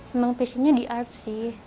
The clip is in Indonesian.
memang pesannya di art sih